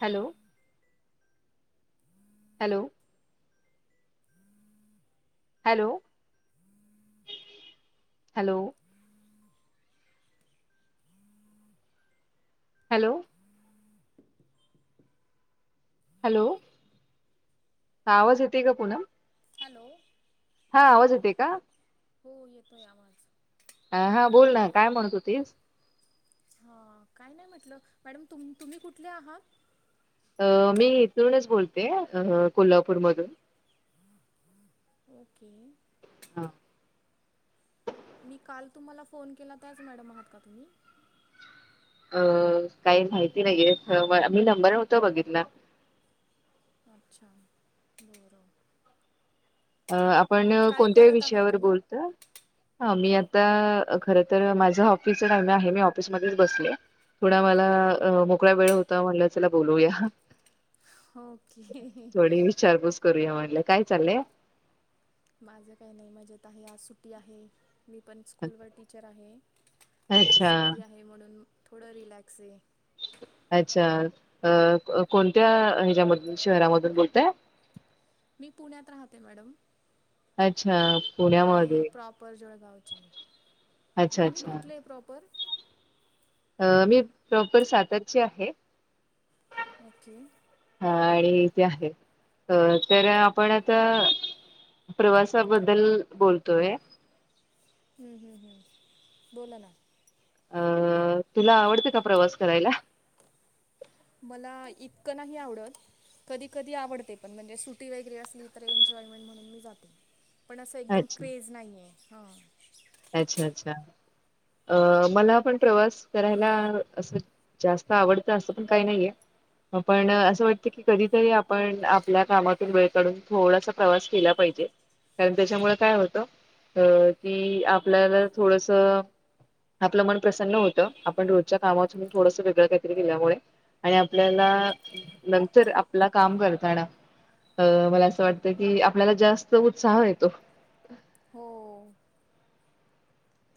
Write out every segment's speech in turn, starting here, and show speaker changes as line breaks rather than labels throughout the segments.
Hello! Hello! Hello! Hello! Hello! Hello! हा आवाज येतेय का पुनम?
हॅलो!
हा आवाज येतोय का?
हो येतोय आवाज.
ह हा बोल ना, काय म्हणत होतीस?
हा, काही नाही म्हटलं, मॅडम तुम् तुम्ही कुठले आहात?
अ मी इथुनच बोलते कोल्हापूरमधून.
ओके.
हा.
मी काल तुम्हाला फोन केला त्याचं मॅडम आहात का तुम्ही?
अं काही माहिती नाहीय, म मी नंबर नव्हता बघितला.
अच्छा बरं.
अ आपण
अं, काय
कोणत्याही
करत आहात
विषयावर
तुम्ही
बोलतोय? ह मी आ ता खरं तर माझा ऑफिसचा टाइम आहे मी ऑफिसमध्येच बसले. थोडा मला अ मोकळा वेळ होता म्हणलं चला बोलूया.
ओके
थोडी विचारपूस करूया म्हटलें, काय चाललंय?
माझं काही नाही मजेत आहे आज सुट्टी आहे. मी पण स्कूलवर टीचर आहे, आज
अच्छा
सुट्टी आहे म्हणून थोडा रिलॅक्स आहे.
अच्छा! अ कोणत्या हेच्यामधून शहरामधून बोलताय?
मी पुण्यात राहते मॅडम.
अच्छा!
आणि
पुण्यामध्ये
प्रॉपर जळगावचे.
अच्छा
तुम्ही
अच्छा
कुठले आहे प्रॉपर?
अ मी प्रॉपर सातरची आहे.
ओके.
अ आणि इथे आहे. तर आपण आता प्रवासाबद्दल बोलतोय.
हम्म, हम्म, हम्म. बोला ना
अं तुला आवडतं का प्रवास करायला?
मला इतकं नाही आवडत. कधी कधी आवडतय पण म्हणजे सुट्टी वगैरे असली तर एन्जॉयमेंट म्हणून मी जाते. पण असं एकदम
अच्छा
क्रेज नाही आहे हां.
अच्छा! अच्छा! अ मला पण प्रवास करायला असं जास्त आवडतं असं पण काही नाहीये. पण असं वाटत की कधीतरी आपण आपल्या कामातून वेळ काढून थोडासा प्रवास केला पाहिजे. कारण त्याच्यामुळे काय होतं अ की आपल्याला थोडस आपलं मन प्रसन्न होत, आपण रोजच्या कामात थोडस वेगळं काहीतरी केल्यामुळे आणि आपल्याला नंतर आपला काम करताना अं मला असं वाटतं की आपल्याला जास्त उत्साह येतो.
हो.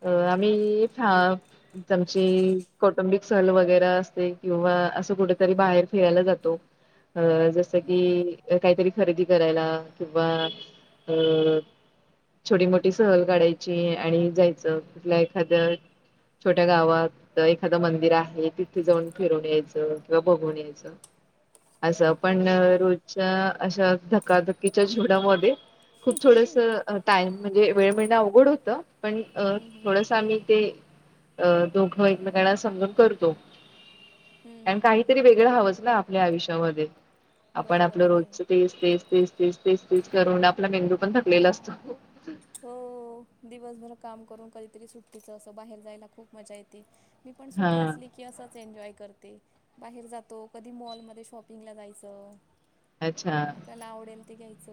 अ आम्ही फॅ तमची कौटुंबिक सहल वगैरां असते किंवा अ कुठं तरी बाहेर फिरायला जातो अ जस की,
हम्म.
एक कायतरी खरेदी करायला किंवा अ छोटी मोठी सहल काढायची आणि जायचं कुठल्या एखाद्या छोट्या गावात एखादं मंदिर आहे तिथे जाऊन फिरून यायचं. किंवा बघून यायचं. असं
हो
पण रोजच्या अशा धकाधकीच्या जीवनामध्ये खूप थोडस टाईम म्हणजे वेळ मिळणं अवघड होतं पण अ
हम्म हम्म.
थोडस आम्ही ते ते अ दोघं एकमेकांना समजून करतो.
हम्म
आणि
हम्म हम्म
काहीतरी वेगळं हवंच ना आपल्या आयुष्यामध्ये आपण
बरोबर
आपलं
आहे.
रोजच तेस तेस तेस तेस तेस तेस करून आपला मेंदू पण थकलेला असतो.
हो दिवसभर काम करून कधीतरी सुट्टीच असं बाहेर जायला खूप मजा येते. मी पण सुटी
हां.
असली की असंच एन्जॉय रते बाहेर जातो. कधी मॉल मध्ये शॉपिंगला जायचं.
अच्छा
घ्यायच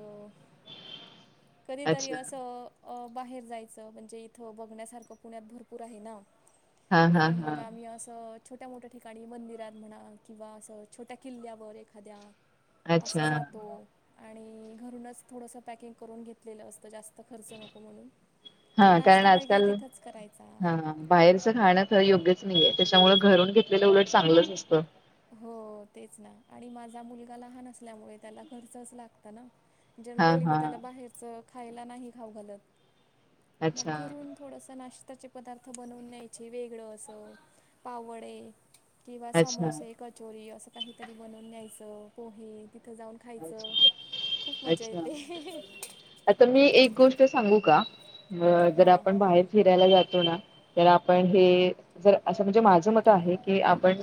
कधीतरी
अच्छा.
अस अ अ बाहेर जायचं म्हणजे इथं बघण्यासारखं पुण्यात भरपूर आहे ना.
हां, हां,
तर मग
हां.
आम्ही असं छोट्या मोठ्या ठिकाणी मंदिरात म्हणा किंवा असं छोट्या किल्ल्यावर एखाद्या अस
अच्छा.
जातो आणि घरूनच थोडस पॅकिंग करून घेतलेलं असतं जास् खर्च नको म्हणून
हा कारण
वगैरे
आजकाल
तिथंच करायचा
हा बाहेरच खाणं त योग्यचं नाहीये त्याच्यामुळ घरून घेतलेलं उलट चांगलंच असतं.
हो तेच ना आणि माझा मुलगा लहान असल्यामुळे त्याला घरचच लागतं ना.
हां,
जनरली मी
हां.
त्याला बाहेरचं खायला नाही खाऊ घालत. मग
अच्छा,
घरून थोडस नाश्त त्याचे पदार्थ बनवून न्यायचे वेगळ अस पाव वडे किंवा
अच्छा,
समोसे कचोरी असं काहीतरी बनवून न्यायचं पोहे, तीत तिथं जाऊन खायचं
अच्छा,
खूप मजा
अच्छा.
येते.
आता मी एक गोष्ट सांगू का जर
हां
आपण बाहेर फिरायला जात तो ना तर आपण हे जर असं म्हणजे माझं मत आहे की आपण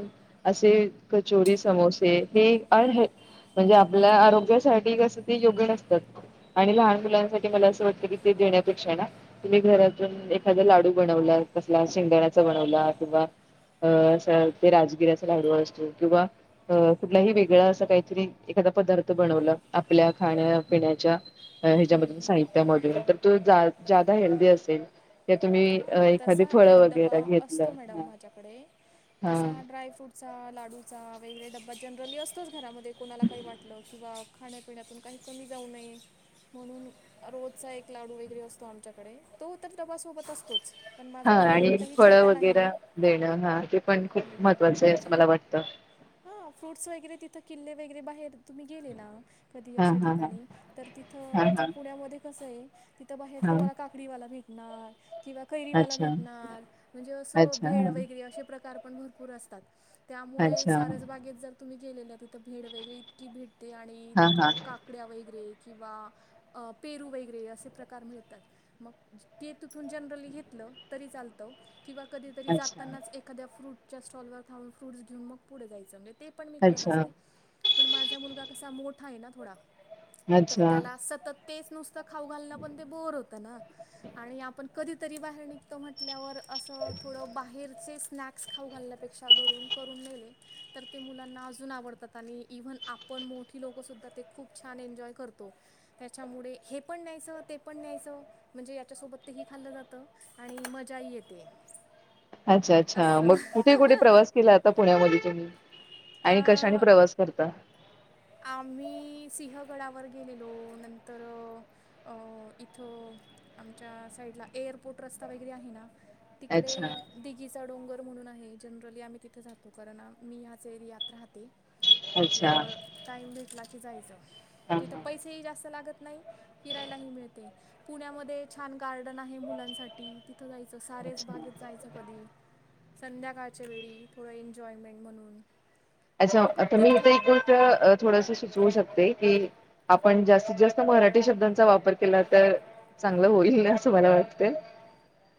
असे कचोरी समोसे हे अनं हे म्हणजे आप पल्या आरोग्यासाठी कस ते योग्य नसतात. आणि लहान मुलांसाठी मला असं वाटतं की ते देण्यापेक्षा ना तुम्ही घरातून एखादा लाडू बनवला. कसला शेंगदाण्याचा बनवला किंवा अ असं ते राजगिऱ्याचा लाडू असतो किंवा अ कुठलाही वेगळां असं काहीतरी एखादा पदार्थ बनवलं आपल्या खाण्यापिण्याच्या ह्याच्यामधून साहित्यामधून तर तो जा ज्यादा हेल्दी असेल त तुम्ही अ
हां
एखादी
तसा
फळं
एक डबा
वगैरे घेतलं
असतो मॅडम माझ्याकडे
ह
तसा ड्रायफ्रूटचा लाडूचा वैगरे डब्बा जनरली असतोच घरामध्ये कोणाला काही वाटलं किंवा खाण्यापिण्यातून काही कमी जाऊ नये म्हणून रोजचा एक लाडू वगैरे असतो आमच्याकडे तो तर डबा सोबत असतो.
हा आणि फळं वगैरां देणं हा ते पण खूप महत्वाचं आहे असं मला वाटत
हा फ्रुट्स वगैरे तिथं किल्ले वगैरे बाहेर तुम्ही गेले ना कधी
हा
अशा
हा हा
ठिकाणी तर तिथं
हा हा
आमच्या पुण्यामध्ये कसंय तिथं बाहेर
हा
तुम्हाला काकडीवाला भेटणार किंवा कैरीवाला
अच्छा
भेटणार म्हणजे असं
अच्छा
भेड
हा
वगैरे अशे प्रकार पण भरपूर असतात. त्यामुळे
अच्छा
सारस बागेत जर तुम्ही गेलेल्या भेड वगैरे इतकी भेटते आणि
हा हा
तिथं काकड्या वगैरे किंवा अ पेरू वगैरे असे प्रकार मिळतात मग ते तिथून जनरली घेत ल तरी चालत. किंवा कधीतरी
अच्छा
जातानाच एखा्या फ्रूटच्या स्टॉलवर खाऊन फ्रुट्स घेऊन मग पुढे जायचं ते पण मी करत
अच्छा
असते. पण माझा मुलगा कसा मोठा आहे ना थोडा तर
अच्छा
त्याला सतत तेच नुसत खाऊ घालण पण ते बोर होत तो ना आणि आपण कधी तरी बाहेर निघतो म्हटल्यावर, असं थोड बाहेरचे स्नॅक्स स्नॅक्स खाऊ घालण्यापेक्षा घरून करून नेली तर ते मुलांना अजून आवडतात आणि इव्हन आपण मोठी लोक सुद्धा ते खूप छान एन्जॉय कर करतो त्याच्यामुळे हे पण न्यायचं ते पण न्यायचं म्हणजे याच्या सोबत ही खाल्लं जात. आणि मजाही येते.
अच्छा अच्छा,
असं.
मग कुठे कुठे प्रवास केला आता पुण्यामध्ये? आणि कशाने
अ
प्रवास करता
आम्ही सिंहगडावर गेलेलो, नंतर अ इथं आमच्या साईडला एअरपोर्ट रस्ता वगैरे आहे ना तिकडे
अच्छा
दिगीचा डोंगर म्हणून आहे. जनरली आम्ही तिथे जातो, कारण मी ह्याच एरियात राहते.
अच्छा
म्हटल्यावर टाईम भेटला की जायचं.
हा
तिथं
हा
पैसेही जास्त लागत नाही फिरायला ही मिळते. पुण्यामध्ये छान गार्डन आहे मुलांसाठी, तिथं जायचं सारस
अच्छा
बागेत जायचं कधी. संध्याकाळच्या वेळी थोडं एन्जॉयमेंट म्हणून
अच्छा आता मी इथे
तिथं
एक गोष्ट थोडस सुचवू शकते की आपण जास्तीत जास्त मराठी शब्दांचा वापर केला तर, चांगलं होईलन असं मला वाटते.
[inaudible]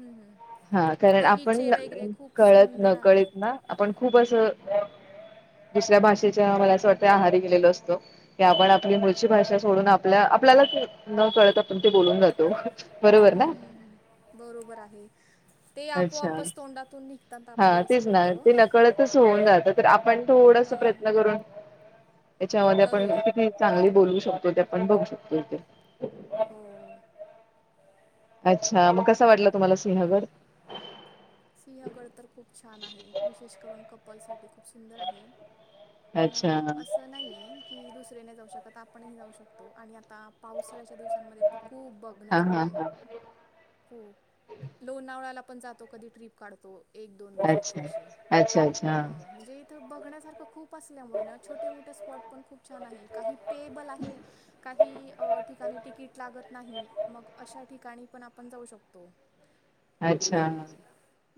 हम्म हम्म
हा कारण
बगीचे
आपण
वगैरे खूप
कळत
सुंदर
नकळत
आहेत.
ना आपण खूप असं
[inaudible]
दुसऱ्या भाषेच्या मला असं वाटतं आहारी गेलेलो असतो, की आपण आपली मुळची भाषा सोडून आपल्या आपल्याला न कळत आपण ते बोलून जातो, बरोबर ना.
बरोबर आहे. ते
अच्छा
आपोआपच तोंडातून निघतात
हा
आपली असं
तेच ना
होतं.
ते नकळतच होऊन जात तर आपण थोडस
अं
प्रयत्न करून त्याच्यामध्ये आपण
करूया.
किती चांगली बोलवू शकतो ते आपण बघू शकतो इथ.
हो
अच्छा मग कसं वाटलं तुम्हाला सिंहगड?
सिंहगड तर खूप छान आहे. विशेष करून कपलसाठी खूप सुंदर आहे पण
अच्छा
असं नाही आहे की दुस जाऊ शकत आपण ही जाऊ शकतो आणि आता पावसाळ्याच्या दिवस दिवसांमध्ये खूप
हा हा
बघण्यासारखं आहे.
हा
हो लोणावळ्याला पण जातो, कधी ट्रीप काढतो. एक दोन दिवसाची
अच्छा
अशी
अच्छा
हा
अच्छा
म्हणजे इथ बघण्यासारखं खूप असल्यामुळे छोटे मोठे स्पॉट पण खूप छान आहे काही पेअबल आहे काही अ ठिकाणी तिकीट लागत नाही मग अशा ठिकाणी पण आपण जाऊ शकतो
अच्छा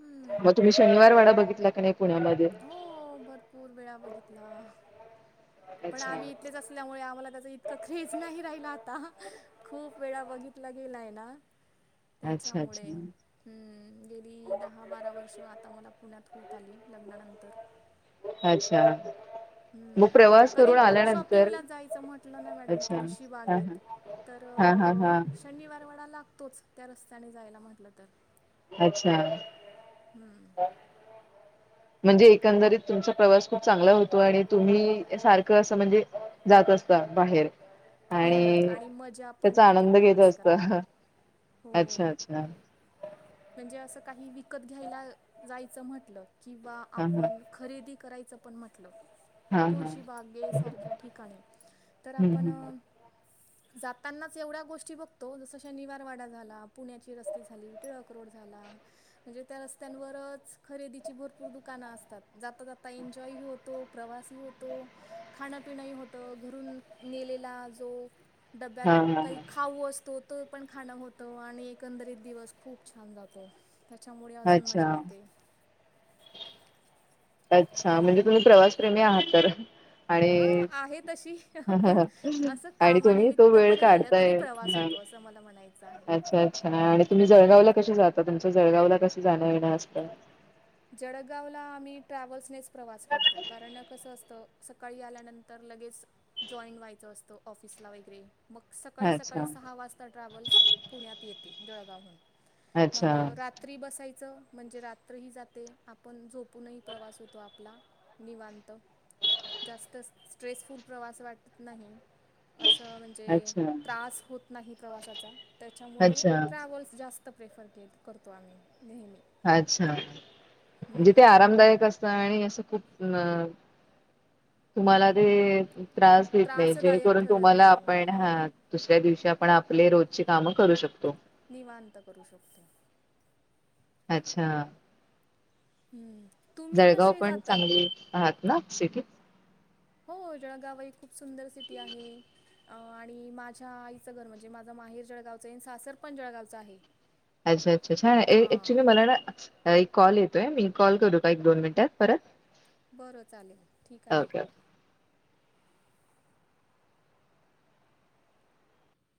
हम्म
मग तुम्ही शनिवारवाडा बघितला का नाही पुण्यामध्ये
हो भरपूर वेळा बघितला पण
अच्छा
आम्ही इथलेच असल्यामुळे आम्हाला त्याच इतकं ख्रेज नाही राहिला आता खूप वेळा बघितला गेलाय ना
अच्छा
त्याच्यामुळे
अच्छा
हम्म गेली दहा बारा वर्ष आता मला पुण्यात होत आली लग्नानंतर
अच्छा मग
हम्म
प्रवास
कधी
करून आल्यानंतर
शॉपिंगला जायचं म्हटलं ना मॅडम
अच्छा
तुळशी
हा
बागेत
हा
तर
हा हा हा
शनिवार वडा लागतोच त्या रस्त्याने जायला म्हटलं तर
अच्छा
हम्म
म्हणजे एकंदरीत तुमचा प्रवास खूप चांगला होतो आणि तुम्ही सारखं अस म्हणजे बाहेर
हम्म आणि मजा पण
त्याचा
येते
आनंद घेत
प्रवास
असता
करायला
अच्छा
हो
अच्छा
म्हणजे अस काही विकत घ्यायला जायचं म्हटलं किं
हा हा
आपण खरेदी करायचं पण म्हटलं
हा हा
तुळशी बागे सारख्या ठिकाणी तर
हम्म
आपण
हम्म.
जातानाच एवढ्या गोष्टी बघतो जस निवारवाडा झाला पुण्याची रस्ते झाली टिळक तवर खरे भप दुकातात ज एन्जॉय होतो प्रवास होतो खाण्यापिणही होत घरून नेलेला जो
हा
डब्यात
हा
काही
हा.
खाऊ असतो तो पण खाणं होतं आणि एकंदरीत दिवस खूप खूप छान जातो त्याच्यामुळे अजून
अच्छा.
मजा येते
अच्छा म्हणजे तुम्ही प्रवासप्रेमी आहात तर
ह
आणि
आहे तशी पण असं
आणि तुम्ही तो
कामानिमितत
वेळ
पण गेलं तरी
काढताय.
प्रवास
हा.
होतो असं मला म्हणायचं आहे
अच्छा अच्छा आणि तुम्ही जळगाव ला कसे जात आता तुमच्या जळगावला कस जाणं येणं असतं
जळगावला आम्ही ट्रॅव्हल्सेच प्रवास करतो कारण कसं असतं सकाळी आल्यानंतर लगेच जॉईन व्हायचं असतं ऑफिसला वगैरे मग सकाळी
अच्छा.
सकाळी सहा वाजता ट्रॅव्हल्स पुण्यात येते जळगावहून मग
अच्छा.
रात्री बसायचं म्हणजे रात्र ह जात ते आपण झोपूनही प्रवास होतो आपला निवांत जास्त स्ट्रेसफुल प्रवास वाटत नाही अस म्हणजे
अच्छा.
त्रास होत नाही प्रवासाचा त्याच्यामुळे
अच्छा.
ट्रॅव्हल् जास्त प्रेफर के करतो आम्ही नेहमी
अच्छा म्हणजे ते
हम्म.
आरामदायक असत आणि असं खूप अ तुम्हाला ते त्रास देत नाही
त्रासदायक
जेणेकरून
ठरत
तुम्हाला
नाही
आपण
हां
हा दुसऱ्या दिवशी आपण आपले रोजची कामं करू शकतो
निवांत करू शकतो
अच्छा
हम्म
जळगाव पण चांगली आहात ना सिटी
हो जळगाव खूप सुंदर सिटी आहे आणि माझ्या आईचं घर म्हणजे माझं माहिर जळगावच आणि सासर पण जळगावच आहे
अच्छा अच्छाछा ऍक्च्युली
हां
मला ना कॉल येतोय मी कॉल करू का एक दोन मिनिटात परत
बरं चालेल ठीक आहे
ओके